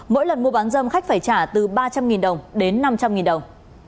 mỗi lần mua bán dâm khách phải trả từ ba trăm linh đồng đến năm trăm linh đồng